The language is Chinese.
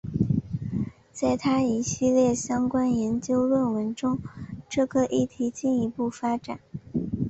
在他一系列相关研究论文中这个议题进一步发展。